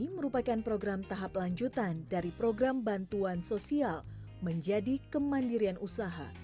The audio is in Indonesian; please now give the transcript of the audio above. merupakan program tahap lanjutan dari program bantuan sosial menjadi kemandirian usaha